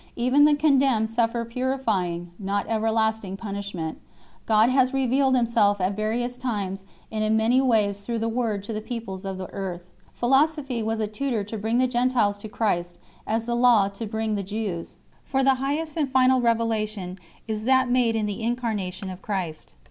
Even the condemned suffer purifying, not everlasting, punishment 4 . God has revealed Himself at various times and in many ways through the Word to the peoples of the earth. Philosophy was a tutor to bring the Gentiles to Christ, as the Law to bring the Jews 5 ; for the Highest and final revelation is that made in the Incarnation of Christ.